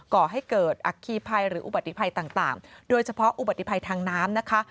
ก่อให้เกิดอัคคีภัยหรืออุบัติภัยต่างโดยเฉพาะอุบัติภัยทางน้ำนะคะ